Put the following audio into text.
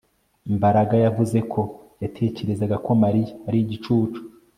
Mbaraga yavuze ko yatekerezaga ko Mariya ari igicucu